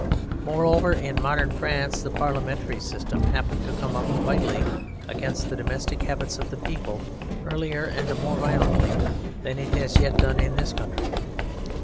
Moreover, in modern France the parliamentary system happened to come up vitally against the domestic habits of the people earlier and more violently than it has yet done in this country.